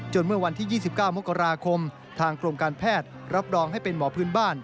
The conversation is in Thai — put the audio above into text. เมื่อวันที่๒๙มกราคมทางกรมการแพทย์รับรองให้เป็นหมอพื้นบ้าน